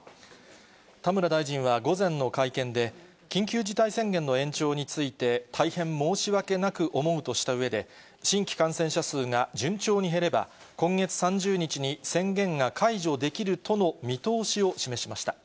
田村大臣は午前の会見で、緊急事態宣言の延長について大変申し訳なく思うとしたうえで、新規感染者数が順調に減れば、今月３０日に宣言が解除できるとの見通しを示しました。